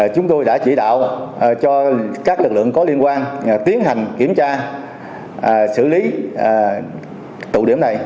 chúng tôi đã chỉ đạo cho các lực lượng có liên quan tiến hành kiểm tra xử lý tụ điểm này